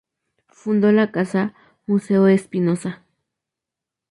Fundó la casa museo Espinoza.